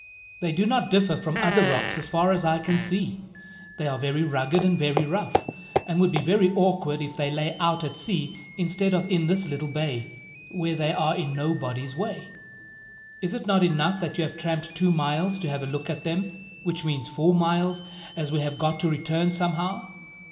"They do not differ from other rocks, as far as I can see. They are very rugged and very rough, and would be very awkward if they lay out at sea instead of in this little bay, where they are in nobody's way. Is it not enough that you have tramped two miles to have a look at them, which means four miles, as we have got to return somehow?